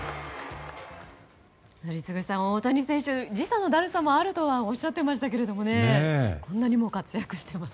宜嗣さん大谷選手、時差のだるさはあると言っていましたがこんなにも活躍しています。